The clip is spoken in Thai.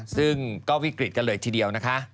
ซึ่งก็วิกฤตกันเลยทีเดียวนะคะ